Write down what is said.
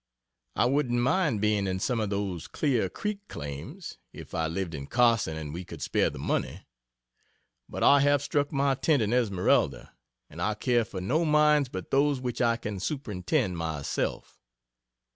I wouldn't mind being in some of those Clear Creek claims, if I lived in Carson and we could spare the money. But I have struck my tent in Esmeralda, and I care for no mines but those which I can superintend myself.